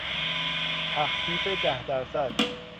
تخفیف ده درصد